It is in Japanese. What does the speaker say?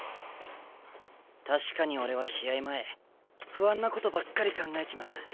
確かに俺は試合前不安なことばっかり考えちまう。